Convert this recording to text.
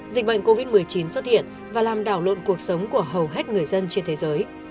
dịch bệnh covid một mươi chín xuất hiện và làm đảo lộn cuộc sống của hầu hết người dân trên thế giới